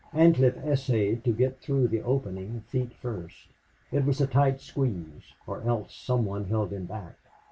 Ancliffe essayed to get through the opening feet first. It was a tight squeeze, or else some one held him back.